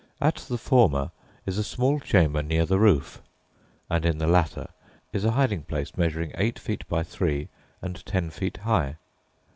At the former is a small chamber near the roof, and in the latter is a hiding place measuring eight feet by three and ten feet high.